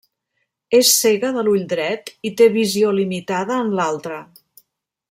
És cega de l'ull dret i té visió limitada en l'altre.